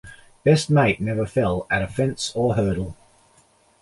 Best Mate never fell at a fence or hurdle.